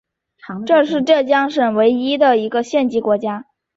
这也是浙江省唯一位于县级的国家一类口岸。